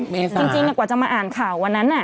เมษาจริงกว่าจะมาอ่านข่าววันนั้น